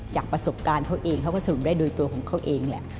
จากประสบการณ์เขาเองเขาก็สรุปได้โดยตัวของเขาเองเนี่ย